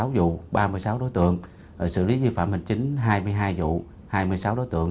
tố một mươi sáu vụ ba mươi sáu đối tượng xử lý vi phạm hình chính hai mươi hai vụ hai mươi sáu đối tượng